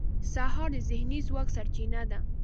سهار د ذهني ځواک سرچینه ده.